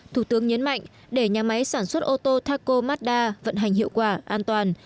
thủ tướng nhấn mạnh để nhà máy sản xuất ô tô taco mazda vận hành hiệu quả an toàn